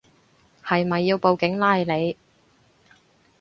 係咪要報警拉你